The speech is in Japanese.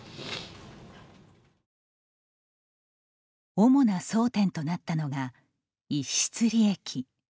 主な争点となったのが逸失利益。